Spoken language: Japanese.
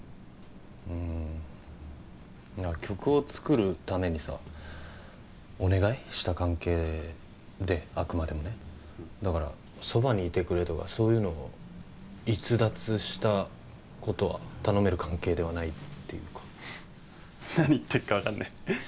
うんいや曲を作るためにさお願い？した関係であくまでもねだからそばにいてくれとかそういうの逸脱したことは頼める関係ではないっていうか何言ってっか分かんね